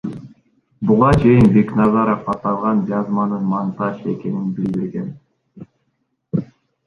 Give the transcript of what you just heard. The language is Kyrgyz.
Буга чейин Бекназаров аталган жазманын монтаж экенин билдирген.